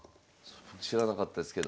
知らなかったですけど。